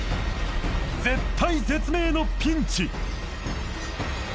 絶体絶命のピンチ！